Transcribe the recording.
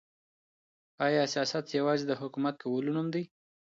آیا سیاست یوازي د حکومت کولو نوم دی؟